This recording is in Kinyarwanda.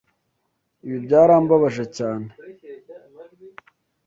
Ibi byarambabaje cyane.